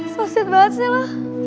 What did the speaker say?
sukses banget sih lo